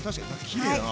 きれいだな。